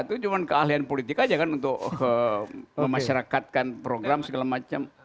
itu cuma keahlian politik aja kan untuk memasyarakatkan program segala macam